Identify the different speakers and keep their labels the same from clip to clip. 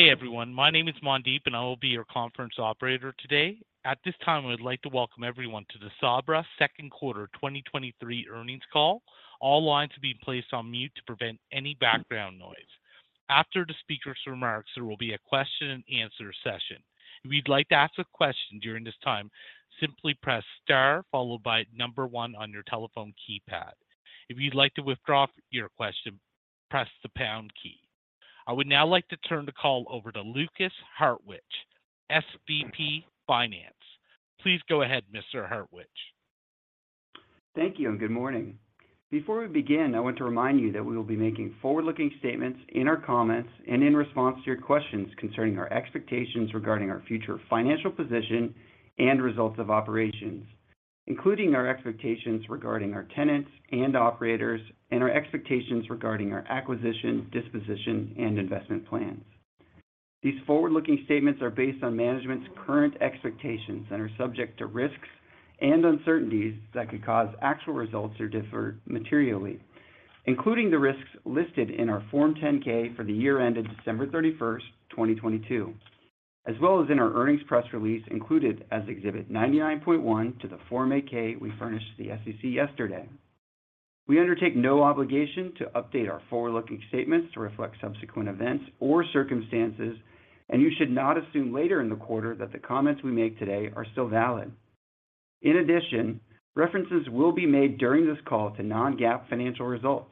Speaker 1: Good day, everyone. My name is Mandeep, and I will be your conference operator today. At this time, I would like to welcome everyone to the Sabra 2nd Quarter 2023 earnings call. All lines are being placed on mute to prevent any background noise. After the speaker's remarks, there will be a question and answer session. If you'd like to ask a question during this time, simply press star followed by number one on your telephone keypad. If you'd like to withdraw your question, press the pound key. I would now like to turn the call over to Lukas Hartwich, SVP, Finance. Please go ahead, Mr. Hartwich.
Speaker 2: Thank you, and good morning. Before we begin, I want to remind you that we will be making forward-looking statements in our comments and in response to your questions concerning our expectations regarding our future financial position and results of operations, including our expectations regarding our tenants and operators, and our expectations regarding our acquisition, disposition, and investment plans. These forward-looking statements are based on management's current expectations and are subject to risks and uncertainties that could cause actual results to differ materially, including the risks listed in our Form 10-K for the year ended December 31st, 2022, as well as in our earnings press release, included as Exhibit 99.1 to the Form 8-K we furnished to the SEC yesterday. We undertake no obligation to update our forward-looking statements to reflect subsequent events or circumstances, and you should not assume later in the quarter that the comments we make today are still valid. In addition, references will be made during this call to non-GAAP financial results.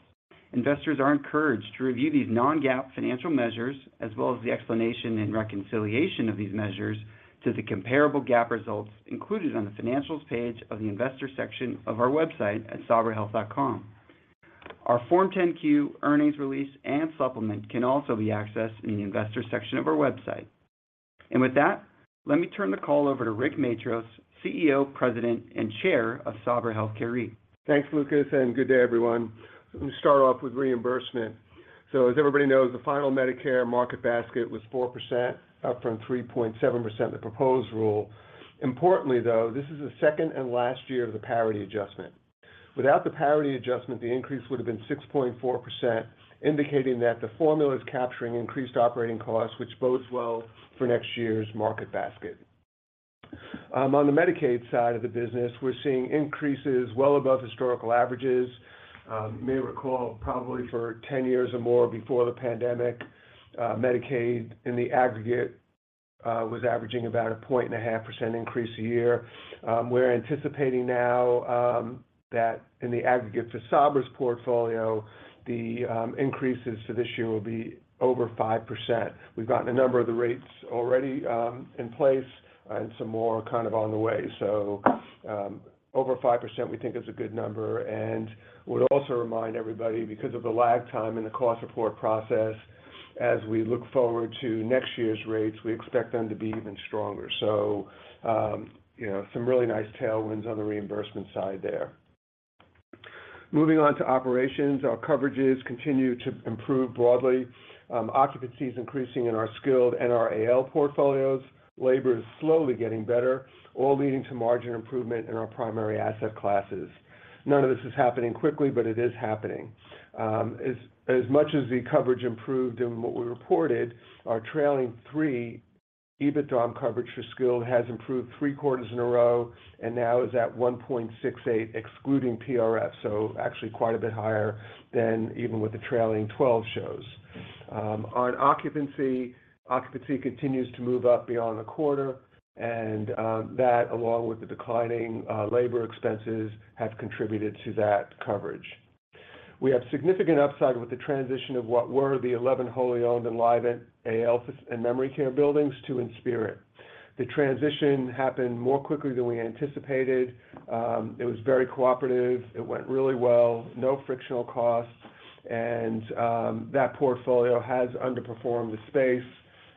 Speaker 2: Investors are encouraged to review these non-GAAP financial measures, as well as the explanation and reconciliation of these measures to the comparable GAAP results included on the financials page of the Investor section of our website at sabrahealth.com. Our Form 10-Q, earnings release, and supplement can also be accessed in the Investor section of our website. With that, let me turn the call over to Rick Matros, CEO, President, and Chair of Sabra Health Care REIT.
Speaker 3: Thanks, Lucas. Good day, everyone. Let me start off with reimbursement. As everybody knows, the final Medicare market basket was 4%, up from 3.7%, the proposed rule. Importantly, though, this is the 2nd and last year of the parity adjustment. Without the parity adjustment, the increase would have been 6.4%, indicating that the formula is capturing increased operating costs, which bodes well for next year's market basket. On the Medicaid side of the business, we're seeing increases well above historical averages. You may recall probably for 10 years or more before the pandemic, Medicaid in the aggregate was averaging about a 1.5% increase a year. We're anticipating now that in the aggregate for Sabra's portfolio, the increases to this year will be over 5%. We've gotten a number of the rates already in place and some more kind of on the way. Over 5%, we think is a good number, and would also remind everybody, because of the lag time in the cost report process, as we look forward to next year's rates, we expect them to be even stronger. Some really nice tailwinds on the reimbursement side there. Moving on to operations, our coverages continue to improve broadly. Occupancy is increasing in our Skilled and our AL portfolios. Labor is slowly getting better, all leading to margin improvement in our primary asset classes. None of this is happening quickly, but it is happening. As, as much as the coverage improved in what we reported, our trailing three, EBITDA coverage for skilled has improved three quarters in a row and now is at 1.68, excluding PRF. Actually quite a bit higher than even with the trailing 12 shows. On occupancy, occupancy continues to move up beyond a quarter, and that, along with the declining labor expenses, have contributed to that coverage. We have significant upside with the transition of what were the 11 wholly owned and live-in AL and memory care buildings to Inspirit. The transition happened more quickly than we anticipated. It was very cooperative. It went really well, no frictional costs, and that portfolio has underperformed the space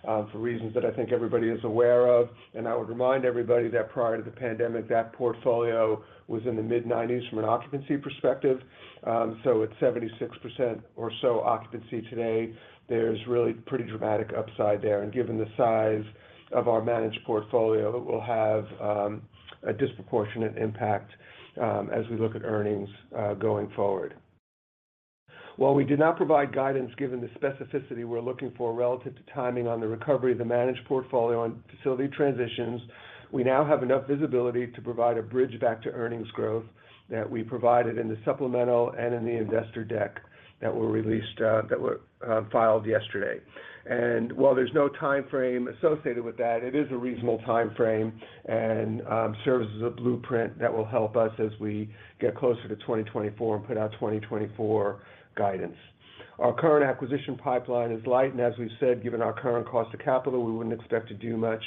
Speaker 3: for reasons that I think everybody is aware of. I would remind everybody that prior to the pandemic, that portfolio was in the mid-90s from an occupancy perspective. At 76% or so occupancy today, there's really pretty dramatic upside there, and given the size of our managed portfolio, it will have a disproportionate impact as we look at earnings going forward. While we did not provide guidance, given the specificity we're looking for relative to timing on the recovery of the managed portfolio on facility transitions, we now have enough visibility to provide a bridge back to earnings growth that we provided in the supplemental and in the investor deck that were released, that were filed yesterday. While there's no time frame associated with that, it is a reasonable time frame and serves as a blueprint that will help us as we get closer to 2024 and put out 2024 guidance. Our current acquisition pipeline is light, and as we've said, given our current cost of capital, we wouldn't expect to do much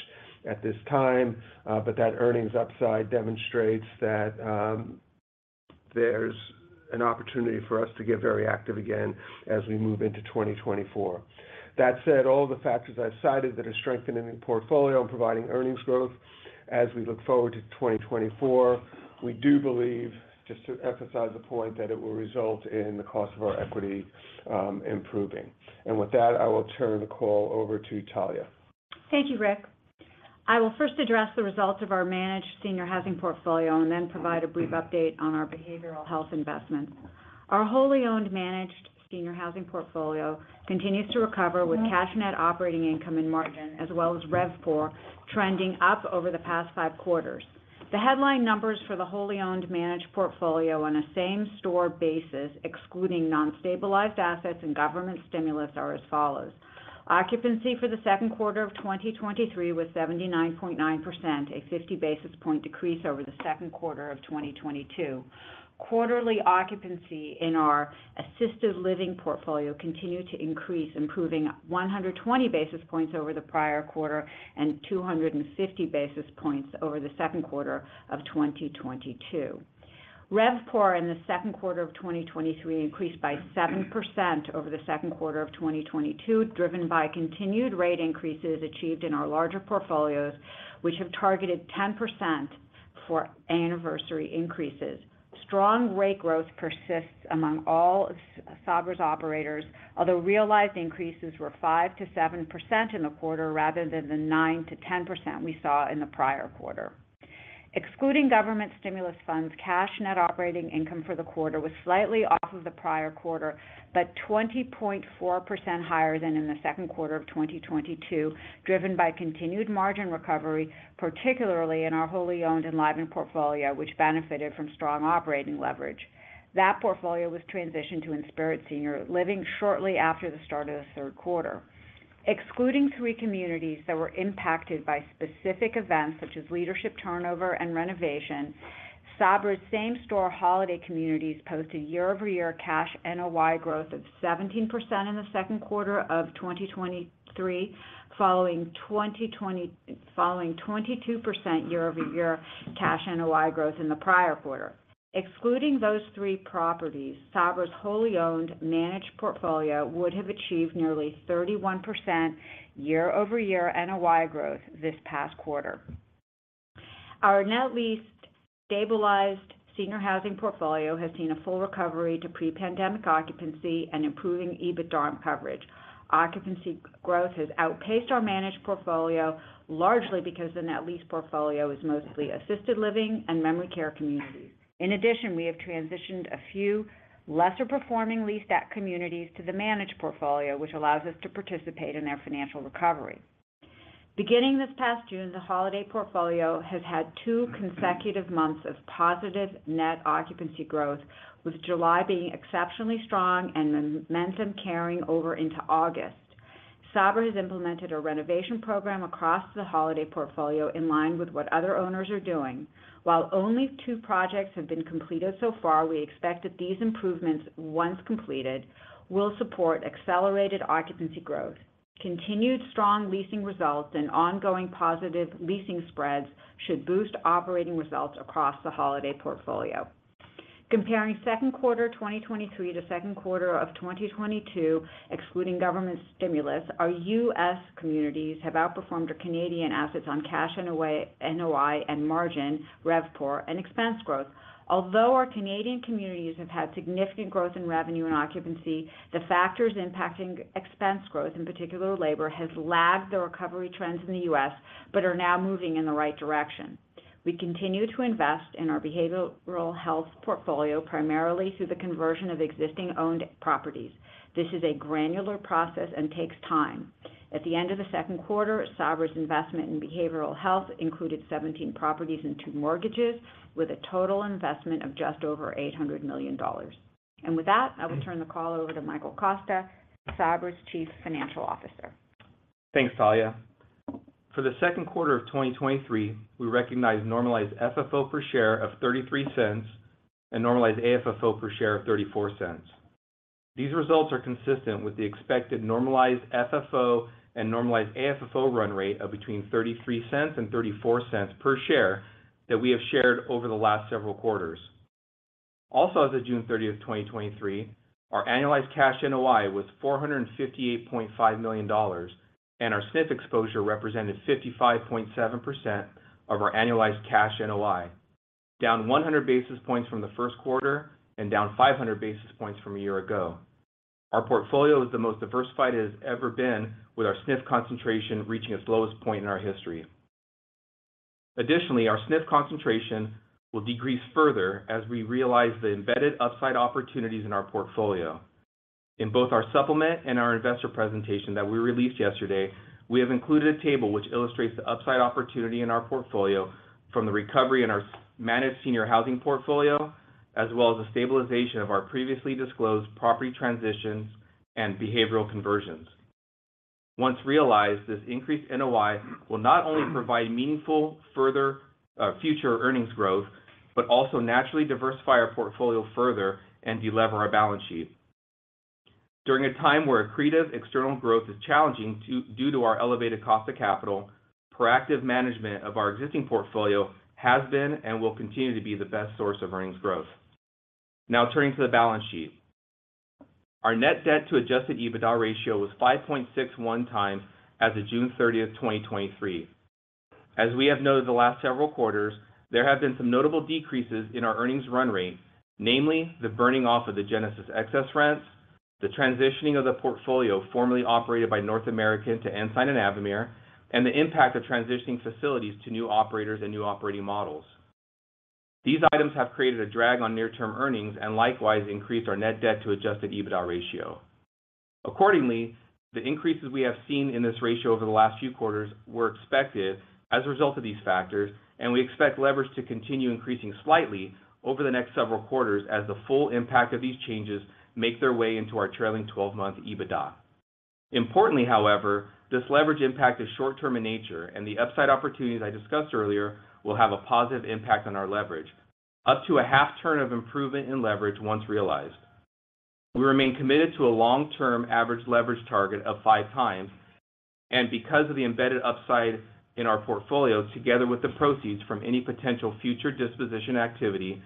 Speaker 3: at this time. But that earnings upside demonstrates that there's an opportunity for us to get very active again as we move into 2024. That said, all the factors I've cited that are strengthening the portfolio and providing earnings growth as we look forward to 2024, we do believe, just to emphasize the point, that it will result in the cost of our equity improving. With that, I will turn the call over to Talya.
Speaker 4: Thank you, Rick. I will first address the results of our managed senior housing portfolio and then provide a brief update on our behavioral health investments. Our wholly owned, managed senior housing portfolio continues to recover, with cash and Net Operating Income and margin, as well as RevPOR, trending up over the past five quarters. The headline numbers for the wholly owned managed portfolio on a same-store basis, excluding non-stabilized assets and government stimulus, are as follows: Occupancy for the 2nd quarter 2023 was 79.9%, a 50 basis point decrease over the 2nd quarter 2022. Quarterly occupancy in our assisted living portfolio continued to increase, improving 120 basis points over the prior quarter and 250 basis points over the 2nd quarter 2022. RevPOR in the second quarter of 2023 increased by 7% over the 2nd quarter of 2022, driven by continued rate increases achieved in our larger portfolios, which have targeted 10% for anniversary increases. Strong rate growth persists among all Sabra's operators, although realized increases were 5%-7% in the quarter rather than the 9%-10% we saw in the prior quarter. Excluding government stimulus funds, Cash Net Operating Income for the quarter was slightly off of the prior quarter, but 20.4% higher than in the 2nd quarter of 2022, driven by continued margin recovery, particularly in our wholly owned Enlivant portfolio, which benefited from strong operating leverage. That portfolio was transitioned to Inspirit Senior Living shortly after the start of the 3rd quarter. Excluding three communities that were impacted by specific events such as leadership turnover and renovation, Sabra's same-store Holiday communities posted year-over-year Cash NOI growth of 17% in the 2nd quarter of 2023, following 22% year-over-year Cash NOI growth in the prior quarter. Excluding those three properties, Sabra's wholly owned managed portfolio would have achieved nearly 31% year-over-year NOI growth this past quarter. Our net leased stabilized senior housing portfolio has seen a full recovery to pre-pandemic occupancy and improving EBITDA coverage. Occupancy growth has outpaced our managed portfolio, largely because the net lease portfolio is mostly assisted living and memory care communities. In addition, we have transitioned a few lesser-performing leased act communities to the managed portfolio, which allows us to participate in their financial recovery. Beginning this past June, the Holiday portfolio has had two consecutive months of positive net occupancy growth, with July being exceptionally strong and momentum carrying over into August. Sabra has implemented a renovation program across the Holiday portfolio in line with what other owners are doing. While only two projects have been completed so far, we expect that these improvements, once completed, will support accelerated occupancy growth. Continued strong leasing results and ongoing positive leasing spreads should boost operating results across the Holiday portfolio. Comparing 2nd quarter 2023 to 2nd quarter of 2022, excluding government stimulus, our U.S. communities have outperformed our Canadian assets on cash and NOI, NOI, and margin, RevPOR, and expense growth. Although our Canadian communities have had significant growth in revenue and occupancy, the factors impacting expense growth, in particular labor, has lagged the recovery trends in the U.S. but are now moving in the right direction. We continue to invest in our behavioral health portfolio, primarily through the conversion of existing owned properties. This is a granular process and takes time. At the end of the 2nd quarter, Sabra's investment in behavioral health included 17 properties and two mortgages, with a total investment of just over $800 million. With that, I will turn the call over to Michael Costa, Sabra's Chief Financial Officer.
Speaker 5: Thanks, Talia. For the second quarter of 2023, we recognized normalized FFO per share of $0.33 and normalized AFFO per share of $0.34. These results are consistent with the expected normalized FFO and normalized AFFO run rate of between $0.33 and $0.34 per share that we have shared over the last several quarters. As of June 30, 2023, our annualized Cash NOI was $458.5 million, and our SNF exposure represented 55.7% of our annualized Cash NOI, down 100 basis points from the first quarter and down 500 basis points from a year ago. Our portfolio is the most diversified it has ever been, with our SNF concentration reaching its lowest point in our history. Additionally, our SNF concentration will decrease further as we realize the embedded upside opportunities in our portfolio. In both our supplement and our investor presentation that we released yesterday, we have included a table which illustrates the upside opportunity in our portfolio from the recovery in our managed senior housing portfolio, as well as the stabilization of our previously disclosed property transitions and behavioral conversions. Once realized, this increased NOI will not only provide meaningful, further future earnings growth, but also naturally diversify our portfolio further and delever our balance sheet. During a time where accretive external growth is challenging due, due to our elevated cost of capital, proactive management of our existing portfolio has been and will continue to be the best source of earnings growth. Now turning to the balance sheet. Our Net Debt to Adjusted EBITDA ratio was 5.61x as of June 30, 2023. As we have noted the last several quarters, there have been some notable decreases in our earnings run rate, namely the burning off of the Genesis excess rents. The transitioning of the portfolio formerly operated by North American to Ensign and Avamere, and the impact of transitioning facilities to new operators and new operating models. These items have created a drag on near-term earnings and likewise increased our Net Debt to Adjusted EBITDA ratio. Accordingly, the increases we have seen in this ratio over the last few quarters were expected as a result of these factors, and we expect leverage to continue increasing slightly over the next several quarters as the full impact of these changes make their way into our trailing 12-month EBITDA. Importantly, however, this leverage impact is short-term in nature. The upside opportunities I discussed earlier will have a positive impact on our leverage, up to a 0.5 turn of improvement in leverage once realized. We remain committed to a long-term average leverage target of 5x. Because of the embedded upside in our portfolio, together with the proceeds from any potential future disposition activity,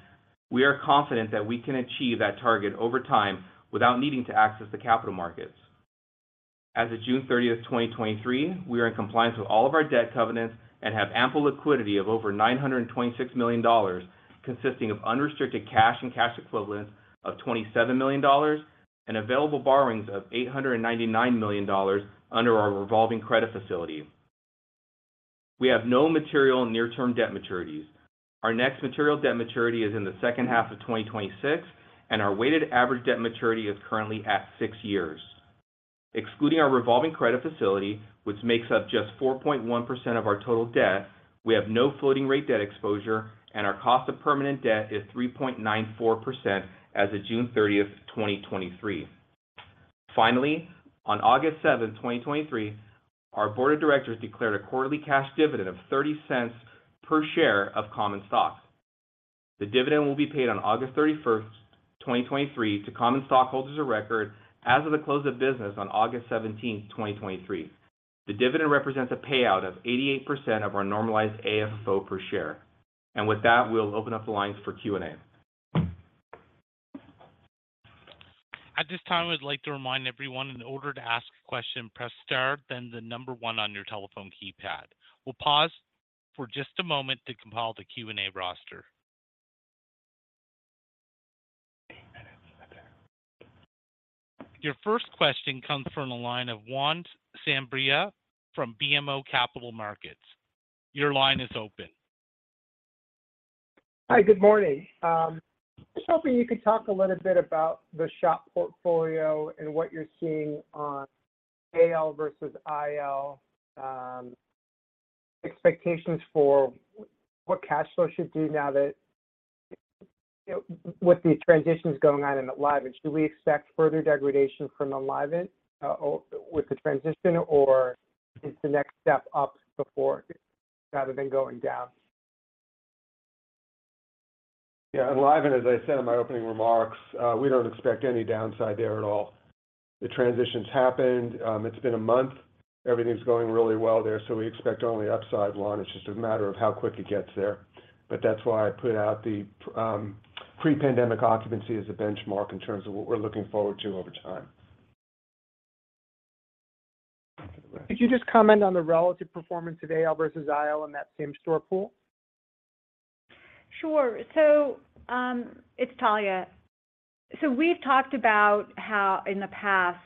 Speaker 5: we are confident that we can achieve that target over time without needing to access the capital markets. As of June 30, 2023, we are in compliance with all of our debt covenants and have ample liquidity of over $926 million, consisting of unrestricted cash and cash equivalents of $27 million and available borrowings of $899 million under our revolving credit facility. We have no material near-term debt maturities. Our next material debt maturity is in the 2nd half of 2026, and our weighted average debt maturity is currently at six years. Excluding our revolving credit facility, which makes up just 4.1% of our total debt, we have no floating rate debt exposure, and our cost of permanent debt is 3.94% as of June 30th, 2023. Finally, on August 7th, 2023, our board of directors declared a quarterly cash dividend of $0.30 per share of common stock. The dividend will be paid on August 31st, 2023, to common stockholders of record as of the close of business on August 17th, 2023. The dividend represents a payout of 88% of our normalized AFFO per share. With that, we'll open up the lines for Q&A.
Speaker 1: At this time, I'd like to remind everyone, in order to ask a question, press star, then the number one on your telephone keypad. We'll pause for just a moment to compile the Q&A roster. Your 1st question comes from the line of Juan Sanabria from BMO Capital Markets. Your line is open.
Speaker 6: Hi, good morning. Just hoping you could talk a little bit about the SHOP portfolio and what you're seeing on AL versus IL, expectations for what cash flow should do now that, you know, with these transitions going on in the Enlivant, do we expect further degradation from Enlivant, or with the transition, or is the next step up before rather than going down?
Speaker 3: Yeah, Enlivant, as I said in my opening remarks, we don't expect any downside there at all. The transition's happened. It's been a month. Everything's going really well there. We expect only upside, Juan. It's just a matter of how quick it gets there. That's why I put out the pre-pandemic occupancy as a benchmark in terms of what we're looking forward to over time.
Speaker 6: Could you just comment on the relative performance of AL versus IL in that same store pool?
Speaker 4: Sure. It's Talya. We've talked about how in the past,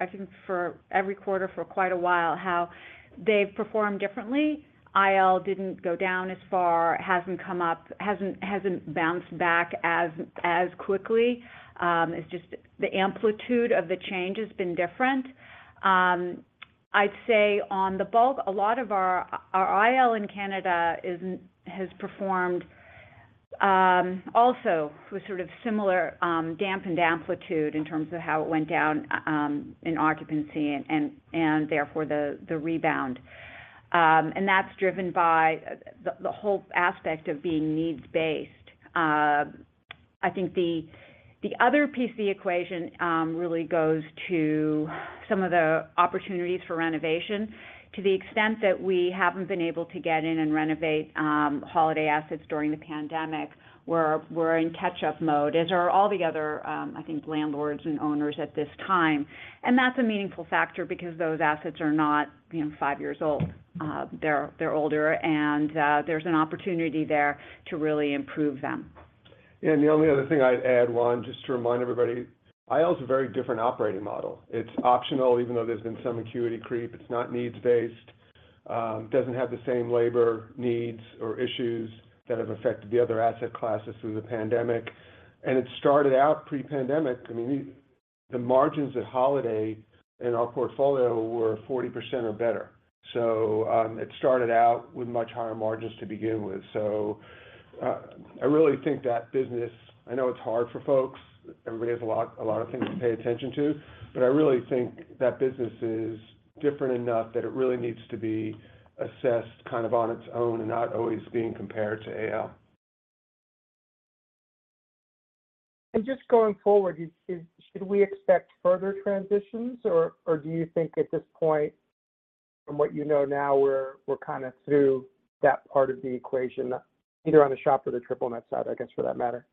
Speaker 4: I think for every quarter, for quite a while, how they've performed differently. IL didn't go down as far, hasn't come up, hasn't bounced back as quickly. It's just the amplitude of the change has been different. I'd say on the bulk, a lot of our IL in Canada has performed also with sort of similar dampened amplitude in terms of how it went down in occupancy and therefore the rebound. That's driven by the whole aspect of being needs-based. I think the other piece of the equation really goes to some of the opportunities for renovation. To the extent that we haven't been able to get in and renovate, Holiday assets during the pandemic, we're, we're in catch-up mode, as are all the other, I think landlords and owners at this time. That's a meaningful factor because those assets are not, you know, five years old. They're, they're older, and there's an opportunity there to really improve them.
Speaker 3: The only other thing I'd add, Juan, just to remind everybody, IL is a very different operating model. It's optional, even though there's been some acuity creep, it's not needs-based, doesn't have the same labor needs or issues that have affected the other asset classes through the pandemic. It started out pre-pandemic, I mean, the margins at Holiday in our portfolio were 40% or better. It started out with much higher margins to begin with. I really think that business... I know it's hard for folks. Everybody has a lot, a lot of things to pay attention to, but I really think that business is different enough that it really needs to be assessed kind of on its own and not always being compared to AL.
Speaker 6: Just going forward, should we expect further transitions, or do you think at this point, from what you know now, we're, we're kind of through that part of the equation, either on the SHOP or the Triple Net side, I guess, for that matter?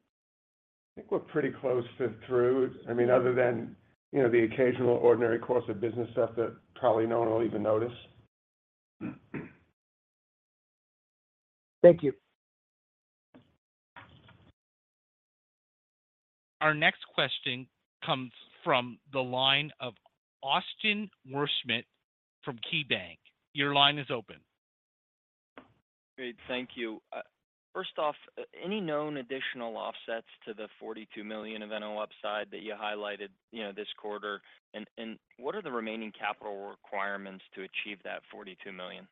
Speaker 3: I think we're pretty close to through. I mean, other than, you know, the occasional ordinary course of business stuff that probably no one will even notice.
Speaker 6: Thank you.
Speaker 1: Our next question comes from the line of Austin Wurschmidt from KeyBanc. Your line is open.
Speaker 7: Great. Thank you. First off, any known additional offsets to the $42 million of NOI upside that you highlighted, you know, this quarter? What are the remaining capital requirements to achieve that $42 million?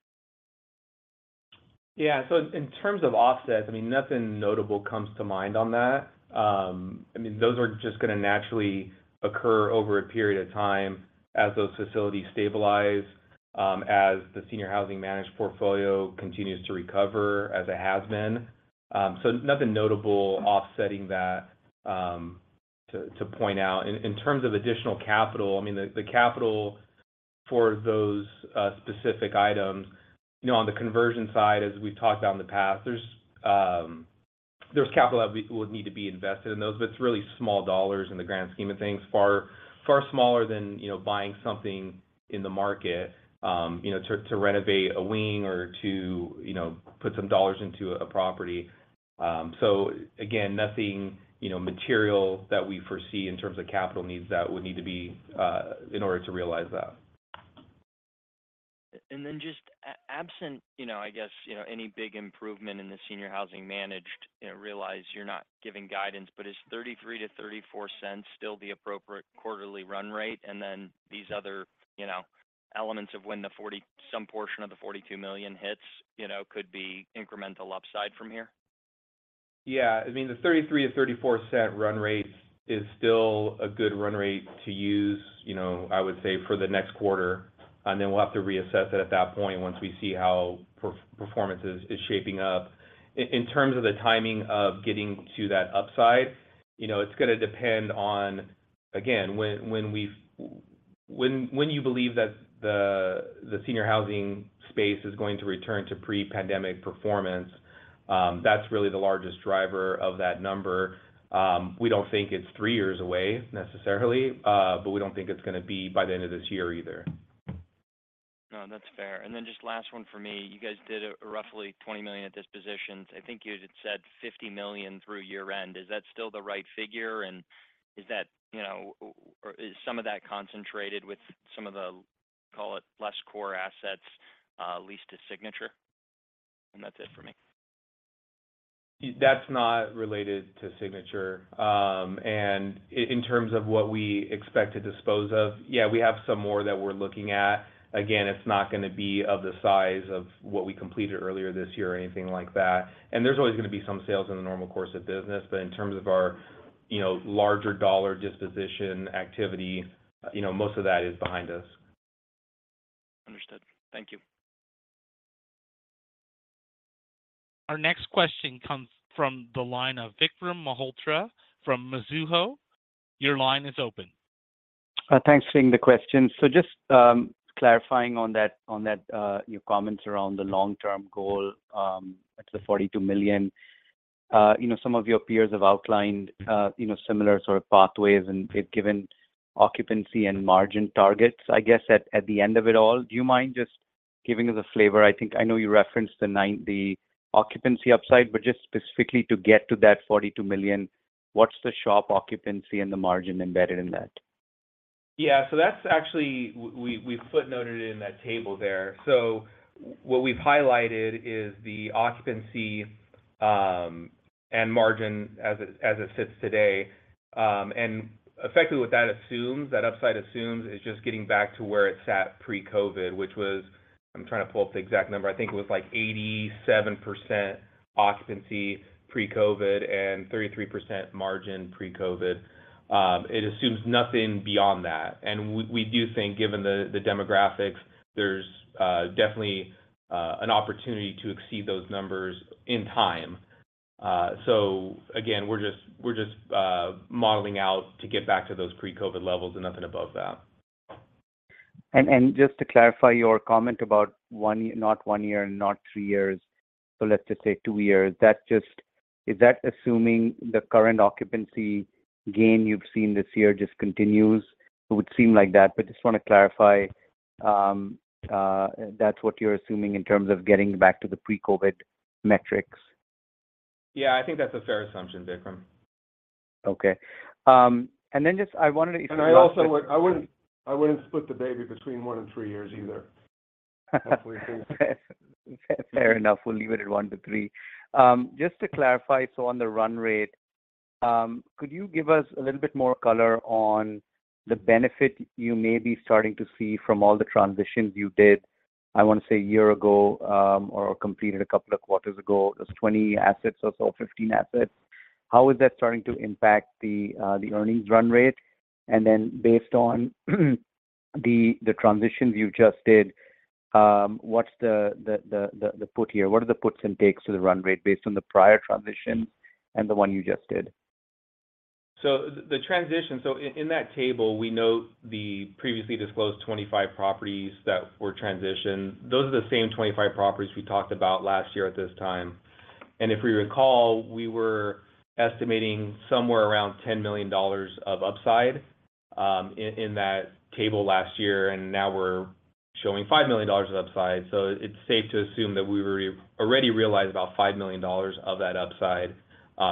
Speaker 5: Yeah. In terms of offsets, I mean, nothing notable comes to mind on that. I mean, those are just gonna naturally occur over a period of time as those facilities stabilize, as the senior housing managed portfolio continues to recover as it has been. Nothing notable offsetting that to point out. In, in terms of additional capital, I mean, the, the capital for those specific items, you know, on the conversion side, as we've talked about in the past, there's capital that we would need to be invested in those, but it's really small dollars in the grand scheme of things. Far, far smaller than, you know, buying something in the market, you know, to, to renovate a wing or to, you know, put some dollars into a property. Again, nothing, you know, material that we foresee in terms of capital needs that would need to be in order to realize that.
Speaker 7: Just absent, you know, I guess, you know, any big improvement in the senior housing managed, I realize you're not giving guidance, but is $0.33-$0.34 still the appropriate quarterly run rate? These other, you know, elements of when some portion of the $42 million hits, you know, could be incremental upside from here?
Speaker 5: Yeah. I mean, the $0.33-$0.34 run rate is still a good run rate to use, you know, I would say for the next quarter, and then we'll have to reassess it at that point once we see how performance is shaping up. In terms of the timing of getting to that upside, you know, it's gonna depend on, again, when you believe that the senior housing space is going to return to pre-pandemic performance, that's really the largest driver of that number. We don't think it's three years away, necessarily, but we don't think it's gonna be by the end of this year either.
Speaker 7: No, that's fair. Just last one for me. You guys did a, roughly $20 million at dispositions. I think you had said $50 million through year-end. Is that still the right figure? Is that, you know, or is some of that concentrated with some of the, call it, less core assets, leased to Signature? That's it for me.
Speaker 5: That's not related to Signature. In terms of what we expect to dispose of, yeah, we have some more that we're looking at. Again, it's not gonna be of the size of what we completed earlier this year or anything like that. There's always gonna be some sales in the normal course of business, but in terms of our, you know, larger dollar disposition activity, you know, most of that is behind us.
Speaker 7: Understood. Thank you.
Speaker 1: Our next question comes from the line of Vikram Malhotra from Mizuho. Your line is open.
Speaker 8: Thanks for taking the question. Just clarifying on that, on that, your comments around the long-term goal, the $42 million. You know, some of your peers have outlined, you know, similar sort of pathways, and they've given occupancy and margin targets, I guess, at, at the end of it all. Do you mind just giving us a flavor? I think I know you referenced the 90% occupancy upside, but just specifically to get to that $42 million, what's the SHOP occupancy and the margin embedded in that?
Speaker 5: Yeah. That's actually We footnoted it in that table there. What we've highlighted is the occupancy and margin as it sits today. And effectively, what that assumes, that upside assumes, is just getting back to where it sat pre-COVID, which was. I'm trying to pull up the exact number. I think it was, like, 87% occupancy pre-COVID and 33% margin pre-COVID. It assumes nothing beyond that. And we do think, given the demographics, there's definitely an opportunity to exceed those numbers in time. Again, we're just modeling out to get back to those pre-COVID levels and nothing above that.
Speaker 8: Just to clarify your comment about one year, not one year and not three years, so let's just say two years. Is that assuming the current occupancy gain you've seen this year just continues? It would seem like that, but just want to clarify that's what you're assuming in terms of getting back to the pre-COVID metrics.
Speaker 5: Yeah, I think that's a fair assumption, Vikram.
Speaker 8: Okay. then just I wanted to-
Speaker 3: I also wouldn't, I wouldn't split the baby between one and three years either.
Speaker 8: Fair enough. We'll leave it at one to three. Just to clarify, so on the run rate, could you give us a little bit more color on the benefit you may be starting to see from all the transitions you did, I want to say one year ago, or completed two quarters ago? It was 20 assets or so, 15 assets. How is that starting to impact the earnings run rate? Then based on the transitions you just did, what's the, the, the, the put here? What are the puts and takes to the run rate based on the prior transitions and the one you just did?
Speaker 5: The transition, so in, in that table, we note the previously disclosed 25 properties that were transitioned. Those are the same 25 properties we talked about last year at this time. If we recall, we were estimating somewhere around $10 million of upside, in, in that table last year, and now we're showing $5 million of upside. It's safe to assume that we've already realized about $5 million of that upside,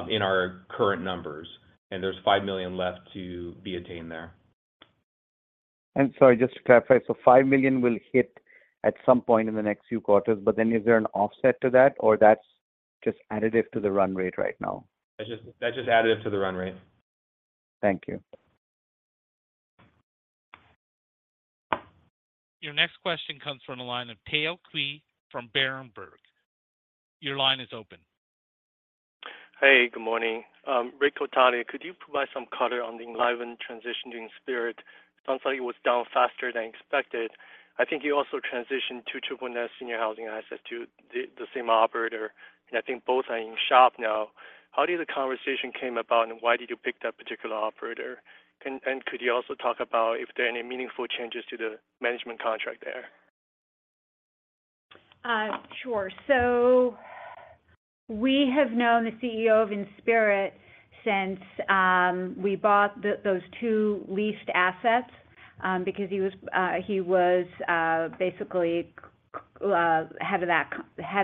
Speaker 5: in our current numbers, and there's $5 million left to be attained there. Sorry, just to clarify, so $5 million will hit at some point in the next few quarters, but then is there an offset to that, or that's just additive to the run rate right now? That's just, that's just additive to the run rate. Thank you.
Speaker 1: Your next question comes from the line of Tao Qiu from Berenberg. Your line is open.
Speaker 9: Hey, good morning. Rick, Talya, could you provide some color on the Enlivant transition during Inspirit? Sounds like it was down faster than expected. I think you also transitioned to Triple Net Senior Housing assets to the, the same operator, and I think both are in SHOP now. How did the conversation came about, and why did you pick that particular operator? And could you also talk about if there are any meaningful changes to the management contract there?
Speaker 4: Sure. We have known the CEO of Inspirit since we bought the, those two leased assets, because he was head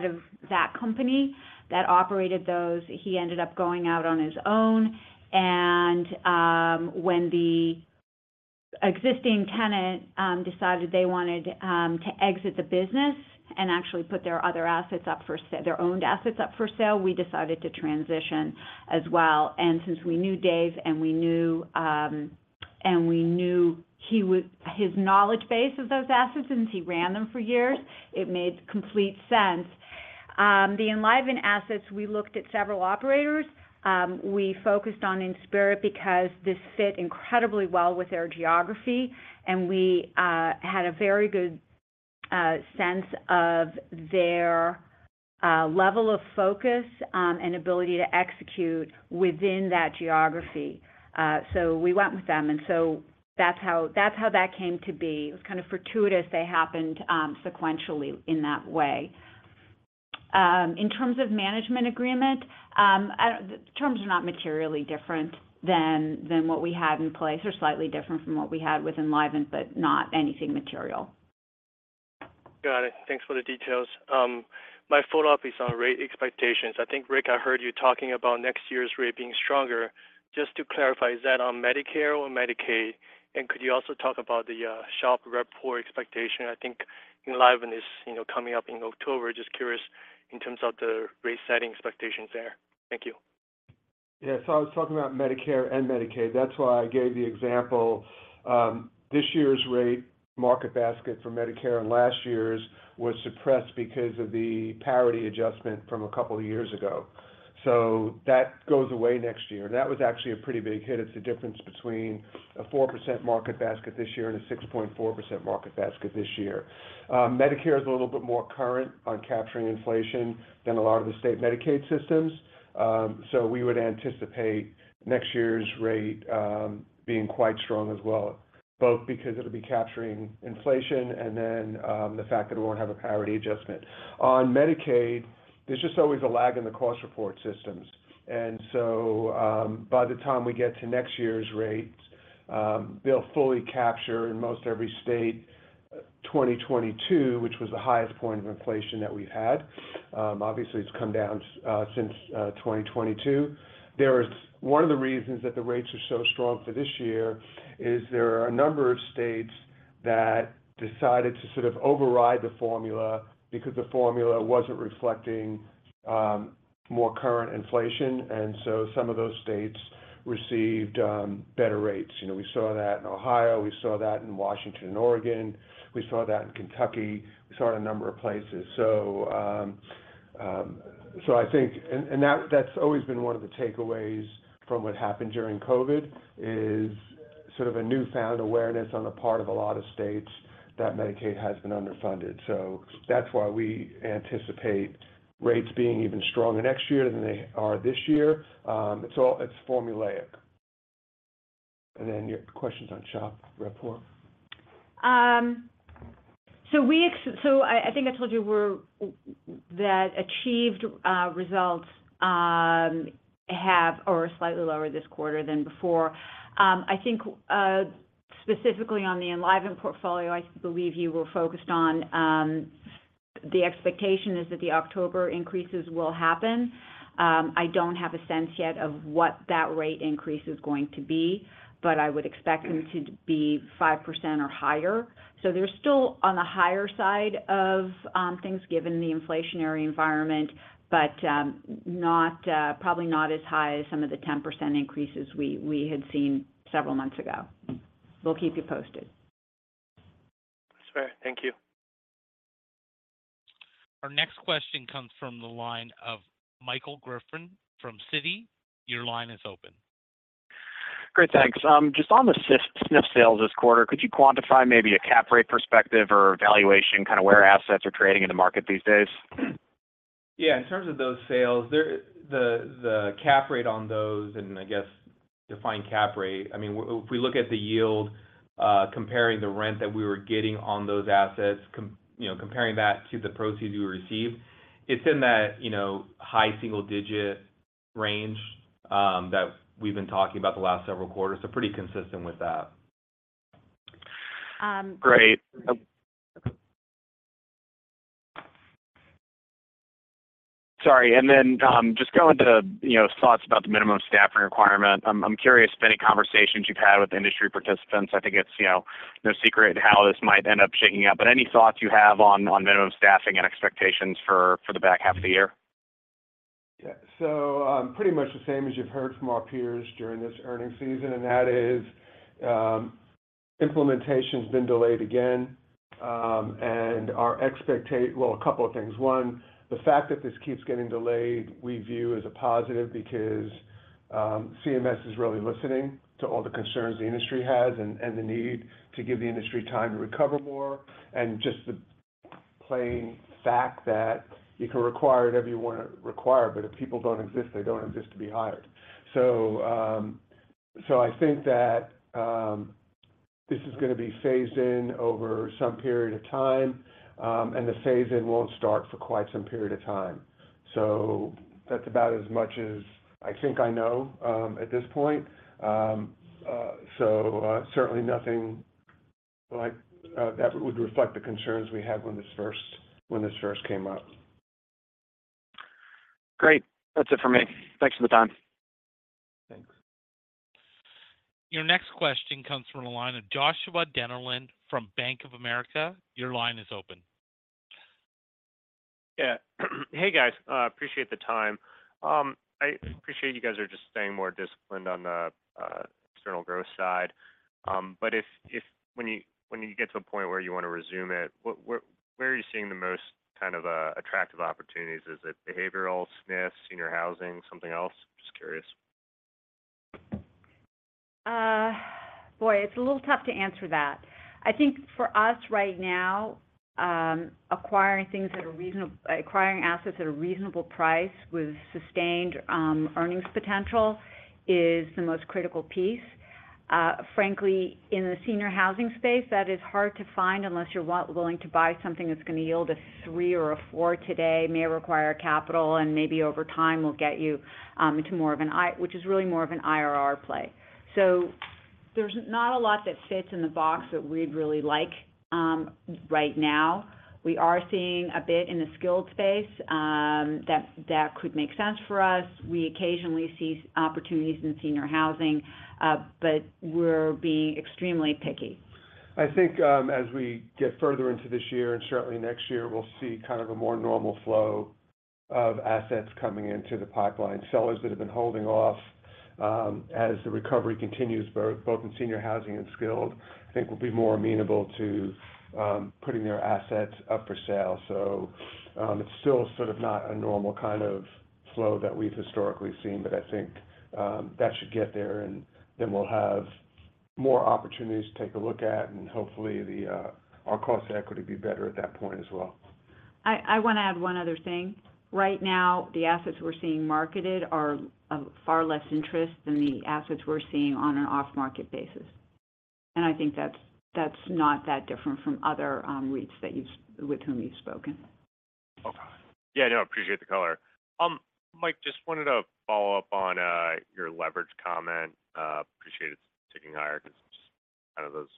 Speaker 4: of that company that operated those. He ended up going out on his own, and when the existing tenant decided they wanted to exit the business and actually put their other assets up for sale, their owned assets up for sale, we decided to transition as well. Since we knew Dave and we knew, and we knew he would his knowledge base of those assets, since he ran them for years, it made complete sense. The Enlivant assets, we looked at several operators. We focused on Inspirit because this fit incredibly well with their geography, and we had a very good sense of their level of focus and ability to execute within that geography. So we went with them, and so that's how that came to be. It was kind of fortuitous they happened sequentially in that way. In terms of management agreement, I don't the terms are not materially different than what we had in place. They're slightly different from what we had with Enlivant, but not anything material
Speaker 9: Got it. Thanks for the details. My follow-up is on rate expectations. I think, Rick, I heard you talking about next year's rate being stronger. Just to clarify, is that on Medicare or Medicaid? Could you also talk about the SHOP report expectation? I think Enlivant is, you know, coming up in October. Just curious in terms of the rate-setting expectations there. Thank you.
Speaker 3: Yes, so I was talking about Medicare and Medicaid. That's why I gave the example. This year's rate market basket for Medicare and last year's was suppressed because of the parity adjustment from a couple of years ago. That goes away next year. That was actually a pretty big hit. It's the difference between a 4% market basket this year and a 6.4% market basket this year. Medicare is a little bit more current on capturing inflation than a lot of the state Medicaid systems. We would anticipate next year's rate being quite strong as well, both because it'll be capturing inflation and then the fact that it won't have a parity adjustment. On Medicaid, there's just always a lag in the cost report systems, and so, by the time we get to next year's rates, they'll fully capture in most every state, 2022, which was the highest point of inflation that we've had. Obviously, it's come down since 2022. One of the reasons that the rates are so strong for this year is there are a number of states that decided to sort of override the formula because the formula wasn't reflecting more current inflation, and so some of those states received better rates. You know, we saw that in Ohio, we saw that in Washington and Oregon, we saw that in Kentucky, we saw it in a number of places. I think-- that, that's always been one of the takeaways from what happened during COVID, is sort of a newfound awareness on the part of a lot of states that Medicaid has been underfunded. That's why we anticipate rates being even stronger next year than they are this year. It's all, it's formulaic. Then your questions on SHOP report.
Speaker 4: I, I think I told you we're, that achieved results have or are slightly lower this quarter than before. I think specifically on the Enlivant portfolio, I believe you were focused on, the expectation is that the October increases will happen. I don't have a sense yet of what that rate increase is going to be, but I would expect them to be 5% or higher. They're still on the higher side of things given the inflationary environment, but probably not as high as some of the 10% increases we, we had seen several months ago. We'll keep you posted.
Speaker 9: That's fair. Thank you.
Speaker 1: Our next question comes from the line of Michael Griffin from Citi. Your line is open.
Speaker 10: Great, thanks. Just on the SNF, SNF sales this quarter, could you quantify maybe a cap rate perspective or valuation, kind of where assets are trading in the market these days?
Speaker 5: Yeah, in terms of those sales, they're the cap rate on those, and I guess, define cap rate, I mean, if we look at the yield, comparing the rent that we were getting on those assets, you know, comparing that to the proceeds we received, it's in that, you know, high single-digit range that we've been talking about the last several quarters, so pretty consistent with that.
Speaker 4: Um-
Speaker 10: Great. Sorry, then, just going to, you know, thoughts about the minimum staffing requirement. I'm, I'm curious if any conversations you've had with industry participants, I think it's, you know, no secret how this might end up shaking out, but any thoughts you have on, on minimum staffing and expectations for, for the back half of the year?
Speaker 3: Yeah. Pretty much the same as you've heard from our peers during this earnings season, and that is, implementation's been delayed again. Our well, a couple of things. One, the fact that this keeps getting delayed, we view as a positive because, CMS is really listening to all the concerns the industry has and, and the need to give the industry time to recover more, and just the plain fact that you can require whatever you wanna require, but if people don't exist, they don't exist to be hired. So I think that, this is gonna be phased in over some period of time, and the phase-in won't start for quite some period of time. That's about as much as I think I know, at this point. Certainly nothing like that would reflect the concerns we had when this first, when this first came up.
Speaker 10: Great. That's it for me. Thanks for the time.
Speaker 3: Thanks.
Speaker 1: Your next question comes from the line of Joshua Dennerlein from Bank of America. Your line is open.
Speaker 11: Yeah. Hey, guys, appreciate the time. I appreciate you guys are just staying more disciplined on the external growth side. If, if, when you, when you get to a point where you wanna resume it, what, where, where are you seeing the most kind of, attractive opportunities? Is it behavioral, SNF, senior housing, something else? Just curious.
Speaker 4: Boy, it's a little tough to answer that. I think for us right now, acquiring things at a reasonable price with sustained earnings potential is the most critical piece. Frankly, in the senior housing space, that is hard to find unless you're willing to buy something that's gonna yield a three or a four today, may require capital, and maybe over time will get you into more of an IRR play. So there's not a lot that fits in the box that we'd really like right now. We are seeing a bit in the skilled space that could make sense for us. We occasionally see opportunities in senior housing, but we're being extremely picky.
Speaker 3: I think, as we get further into this year and certainly next year, we'll see kind of a more normal flow of assets coming into the pipeline. Sellers that have been holding off, as the recovery continues, both, both in senior housing and skilled, I think will be more amenable to, putting their assets up for sale. It's still sort of not a normal kind of flow that we've historically seen, but I think, that should get there, and then we'll have more opportunities to take a look at, and hopefully, the, our cost of equity will be better at that point as well.
Speaker 4: I, I wanna add one other thing. Right now, the assets we're seeing marketed are of far less interest than the assets we're seeing on an off-market basis, and I think that's, that's not that different from other REITs that you've, with whom you've spoken.
Speaker 11: Okay. Yeah, no, appreciate the color. Mike, just wanted to follow up on your leverage comment. Appreciate it's ticking higher because it's kind of those,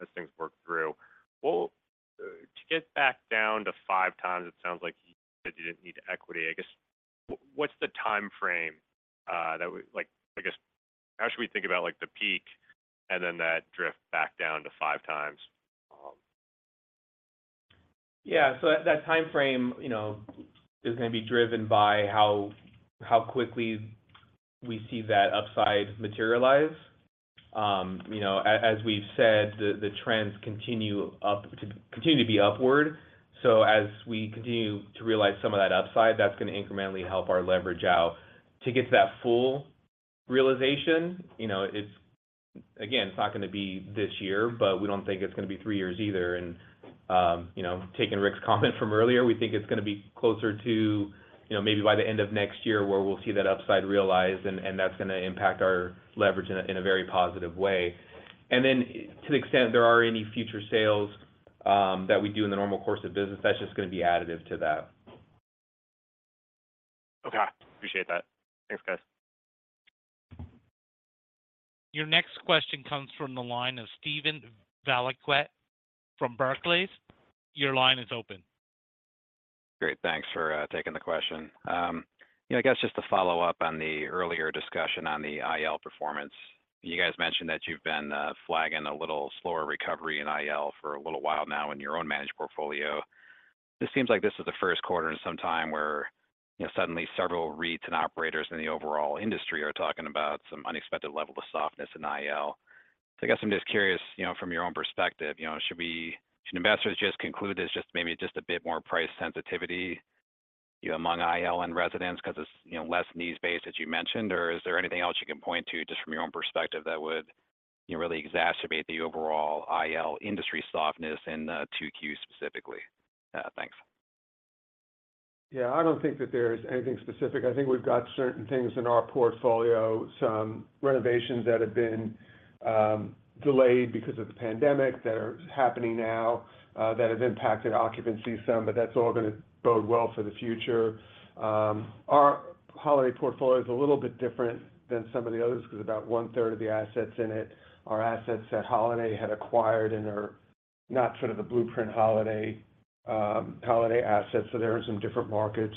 Speaker 11: as things work through. Well, to get back down to 5x, it sounds like you said you didn't need equity. I guess, what's the time frame? Like, I guess, how should we think about, like, the peak and then that drift back down to 5x?
Speaker 5: Yeah, so that timeframe, you know, is gonna be driven by how, how quickly we see that upside materialize. You know, as we've said, the, the trends continue continue to be upward, so as we continue to realize some of that upside, that's gonna incrementally help our leverage out. To get to that full realization, you know, it's, again, it's not gonna be this year, but we don't think it's gonna be three years either. You know, taking Rick's comment from earlier, we think it's gonna be closer to, you know, maybe by the end of next year, where we'll see that upside realized, and, and that's gonna impact our leverage in a, in a very positive way. To the extent there are any future sales, that we do in the normal course of business, that's just gonna be additive to that.
Speaker 11: Okay, appreciate that. Thanks, guys.
Speaker 1: Your next question comes from the line of Steven Valiquette from Barclays. Your line is open.
Speaker 12: Great, thanks for taking the question. You know, I guess just to follow up on the earlier discussion on the IL performance. You guys mentioned that you've been flagging a little slower recovery in IL for a little while now in your own managed portfolio. This seems like this is the first quarter in some time where, you know, suddenly several REITs and operators in the overall industry are talking about some unexpected level of softness in IL. I guess I'm just curious, you know, from your own perspective, you know, should investors just conclude there's just maybe just a bit more price sensitivity, you know, among IL and residents because it's, you know, less needs-based, as you mentioned? Is there anything else you can point to, just from your own perspective, that would, you know, really exacerbate the overall IL industry softness in 2Q specifically? Thanks.
Speaker 3: Yeah, I don't think that there's anything specific. I think we've got certain things in our portfolio, some renovations that have been delayed because of the pandemic, that are happening now, that have impacted occupancy some, but that's all gonna bode well for the future. Our Holiday portfolio is a little bit different than some of the others, 'cause about one third of the assets in it are assets that Holiday had acquired and are not sort of the blueprint Holiday, Holiday assets, so they're in some different markets.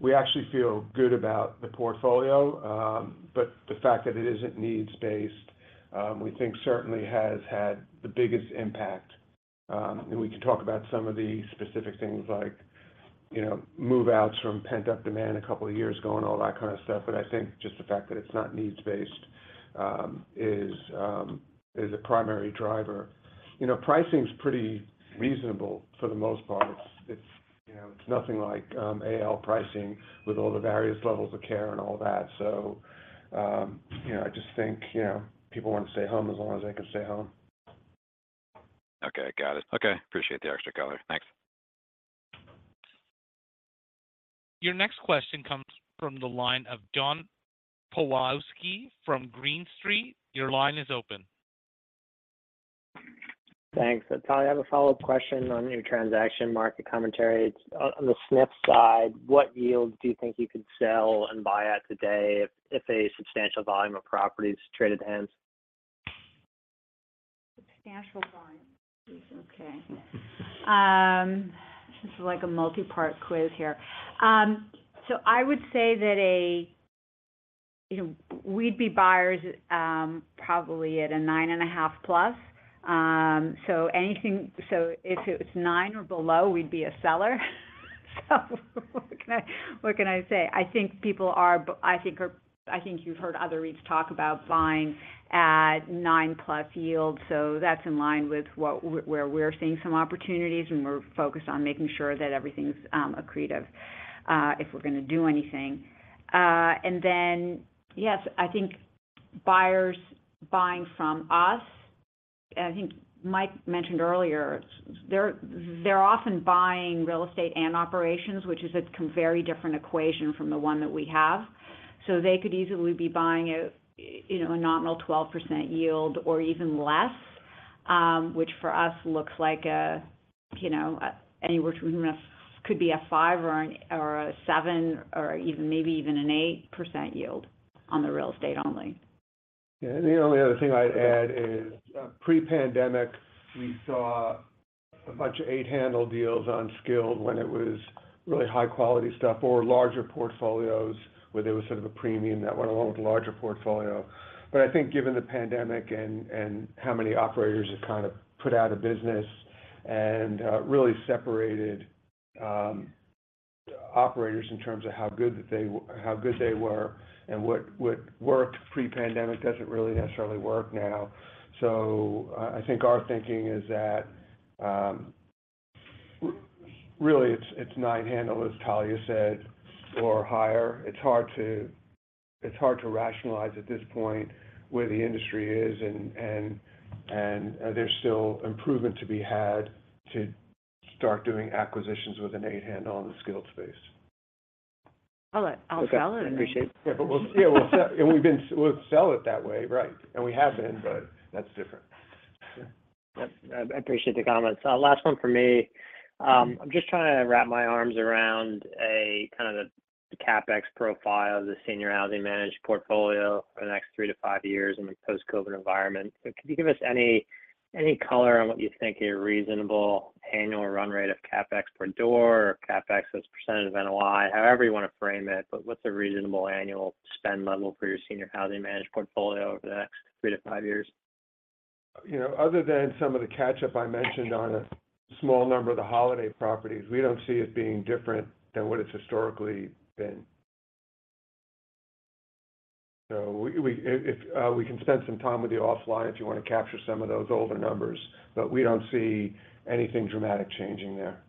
Speaker 3: We actually feel good about the portfolio, but the fact that it isn't needs-based, we think certainly has had the biggest impact. We can talk about some of the specific things like, you know, move-outs from pent-up demand two years ago and all that kind of stuff. I think just the fact that it's not needs-based is a primary driver. You know, pricing's pretty reasonable for the most part. It's, it's, you know, it's nothing like AL pricing with all the various levels of care and all that. You know, I just think, you know, people wanna stay home as long as they can stay home.
Speaker 12: Okay, got it. Okay, appreciate the extra color. Thanks.
Speaker 1: Your next question comes from the line of John Pawlowski from Green Street. Your line is open.
Speaker 13: Thanks. Talya, I have a follow-up question on your transaction market commentary. It's on the SNF side, what yields do you think you could sell and buy at today if a substantial volume of properties traded hands?
Speaker 4: Substantial volume. Okay. This is like a multi-part quiz here. I would say that you know, we'd be buyers, probably at a 9.5+. Anything. So if it's nine or below, we'd be a seller. What can I, what can I say? I think people. I think you've heard other REITs talk about buying at nine-plus yields, so that's in line with what, where we're seeing some opportunities, and we're focused on making sure that everything's accretive, if we're gonna do anything. Yes, I think buyers buying from us, I think Mike mentioned earlier, they're, they're often buying real estate and operations, which is a very different equation from the one that we have. They could easily be buying a, you know, a nominal 12% yield or even less, which for us looks like a, you know, anywhere between could be a five or a seven, or even maybe an 8% yield on the real estate only.
Speaker 3: Yeah, the only other thing I'd add is, pre-pandemic, we saw a bunch of eight-handle deals on Skilled when it was really high-quality stuff or larger portfolios, where there was sort of a premium that went along with the larger portfolio. I think given the pandemic and, and how many operators are kind of put out of business and, really separated, operators in terms of how good they were and what, what worked pre-pandemic doesn't really necessarily work now. I think our thinking is that, really, it's, it's nine-handle, as Talya said, or higher. It's hard to, it's hard to rationalize at this point where the industry is and, and, and, there's still improvement to be had to start doing acquisitions with an eight-handle on the Skilled space.
Speaker 4: All right. I'll sell it.
Speaker 13: I appreciate it.
Speaker 3: Yeah, but Yeah, we'll sell, and we'll sell it that way, right. We have been, but that's different.
Speaker 13: I, I appreciate the comments. Last one for me. I'm just trying to wrap my arms around a kind of a CapEx profile of the senior housing managed portfolio for the next three to five years in the post-COVID environment. Could you give us any, any color on what you think a reasonable annual run rate of CapEx per door or CapEx as a % of NOI? However you wanna frame it, but what's a reasonable annual spend level for your senior housing managed portfolio over the next three to five years?
Speaker 3: You know, other than some of the catch-up I mentioned on a small number of the Holiday properties, we don't see it being different than what it's historically been. So we, we can spend some time with you offline if you wanna capture some of those older numbers, but we don't see anything dramatic changing there.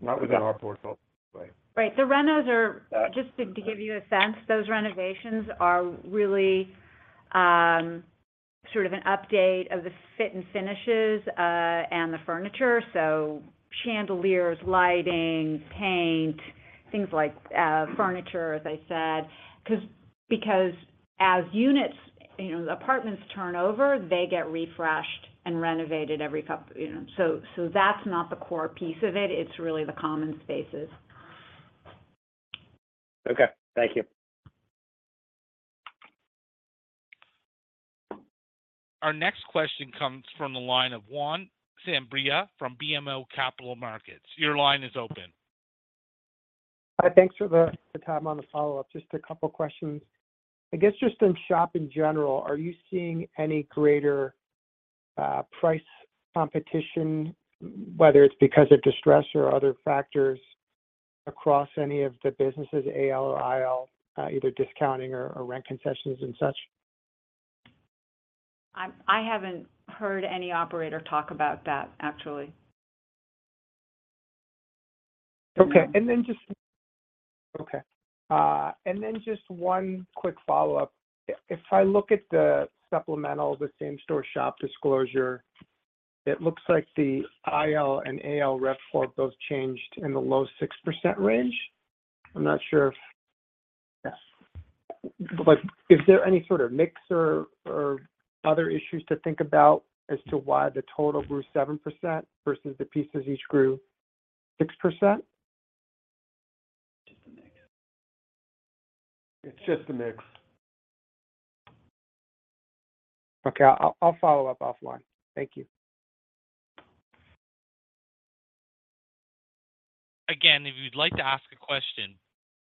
Speaker 3: Not within our portfolio, anyway.
Speaker 4: Right. The renos are... Just to give you a sense, those renovations are really, sort of an update of the fit and finishes, and the furniture, so chandeliers, lighting, paint, things like, furniture, as I said, 'cause, because as units, you know, apartments turn over, they get refreshed and renovated every you know, so that's not the core piece of it. It's really the common spaces.
Speaker 13: Okay, thank you.
Speaker 1: Our next question comes from the line of Juan Sanabria from BMO Capital Markets. Your line is open.
Speaker 6: Hi, thanks for the, the time on the follow-up. Just a couple of questions. I guess, just in SHOP in general, are you seeing any greater price competition, whether it's because of distress or other factors, across any of the businesses, AL or IL, either discounting or, or rent concessions and such?
Speaker 4: I, I haven't heard any operator talk about that, actually.
Speaker 6: Okay. Then just one quick follow-up. If, if I look at the supplemental, the same-store SHOP disclosure, it looks like the IL and AL RevPOR, both changed in the low 6% range. I'm not sure if-
Speaker 5: Yes.
Speaker 6: Is there any sort of mix or other issues to think about as to why the total grew 7% versus the pieces each grew 6%?
Speaker 5: Just a mix. It's just a mix.
Speaker 6: Okay, I'll, I'll follow up offline. Thank you.
Speaker 1: Again, if you'd like to ask a question,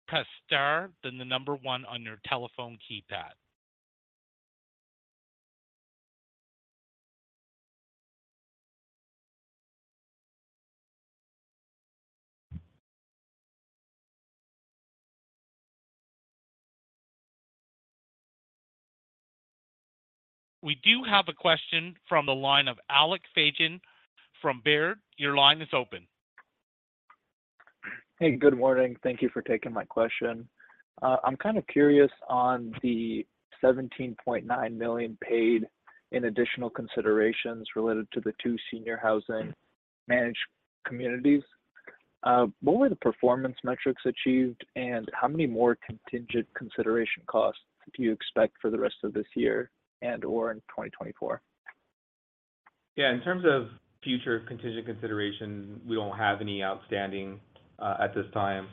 Speaker 1: press star, then the number 1 on your telephone keypad. We do have a question from the line of Alex Fagan from Baird. Your line is open.
Speaker 14: Hey, good morning. Thank you for taking my question. I'm kind of curious on the $17.9 million paid in additional considerations related to the two senior housing managed communities. What were the performance metrics achieved, and how many more contingent consideration costs do you expect for the rest of this year and or in 2024?
Speaker 5: Yeah, in terms of future contingent consideration, we don't have any outstanding at this time.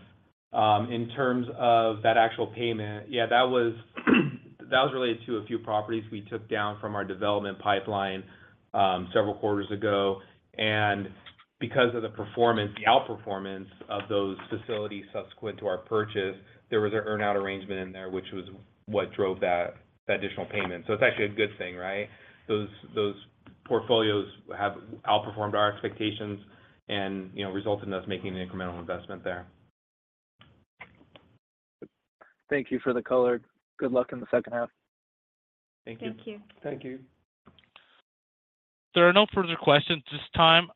Speaker 5: In terms of that actual payment, yeah, that was, that was related to a few properties we took down from our development pipeline, several quarters ago. Because of the performance, the outperformance of those facilities subsequent to our purchase, there was an earn-out arrangement in there, which was what drove that, that additional payment. It's actually a good thing, right? Those, those portfolios have outperformed our expectations and, you know, resulted in us making an incremental investment there.
Speaker 14: Thank you for the color. Good luck in the second half.
Speaker 5: Thank you.
Speaker 4: Thank you.
Speaker 3: Thank you.
Speaker 1: There are no further questions at this time.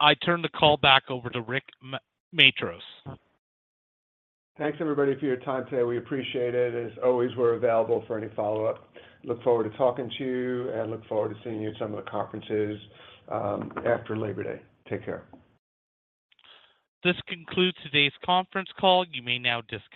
Speaker 1: I turn the call back over to Rick Matros.
Speaker 3: Thanks, everybody, for your time today. We appreciate it. As always, we're available for any follow-up. Look forward to talking to you, and look forward to seeing you at some of the conferences, after Labor Day. Take care.
Speaker 1: This concludes today's conference call. You may now disconnect.